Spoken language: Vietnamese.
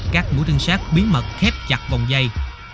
các mũi trinh sát bí mật khép chặt vòng dây